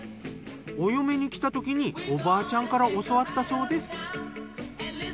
お嫁に来たときにおばあちゃんから教わったそうです。